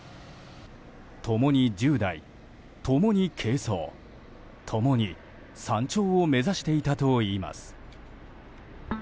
共に１０代、共に軽装共に山頂を目指していたといいます。